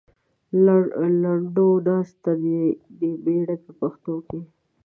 لنډو ناست دی بېړۍ په پښو کې.